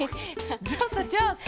じゃあさじゃあさ。